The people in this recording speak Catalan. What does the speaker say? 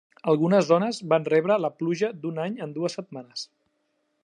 Algunes zones van rebre la pluja d'un any en dues setmanes.